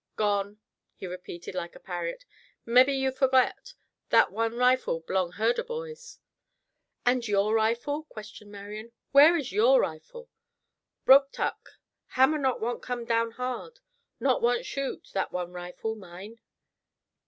"Gone," he repeated like a parrot. "Mebby you forget. That one rifle b'long herder boys." "And your rifle?" questioned Marian, "where is your rifle?" "Broke tuk. Hammer not want come down hard. Not want shoot, that one rifle, mine."